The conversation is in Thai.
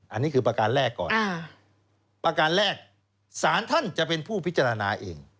อันนี้คือประการแรกก่อนประการแรกสารท่านจะเป็นผู้พิจารณาเอง